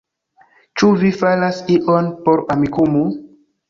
Ĉu vi faras ion por Amikumu?